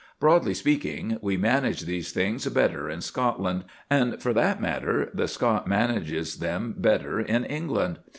Broadly speaking, we manage these things better in Scotland; and, for that matter, the Scot manages them better in England.